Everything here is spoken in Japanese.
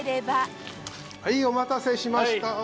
はいお待たせしました。